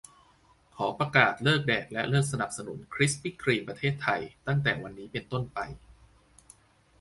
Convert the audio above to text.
ขอประกาศเลิกแดกและเลิกสนับสนุนคริสปี้ครีม ประเทศไทย ตั้งแต่วันนี้เป็นต้นไป